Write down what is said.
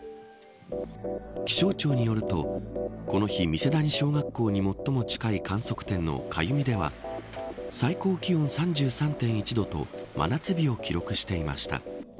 気象庁によるとこの日、三瀬谷小学校に最も近い観測点の粥見では最高気温３３．１度と真夏日を記録していました。